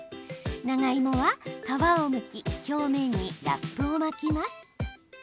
長芋は皮をむき表面にラップを巻きます。